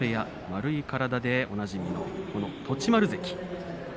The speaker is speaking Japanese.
丸い体でおなじみの栃丸関。